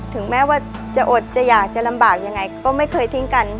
ถึงแม้ว่าจะอดจะอยากจะลำบากยังไงก็ไม่เคยทิ้งกัน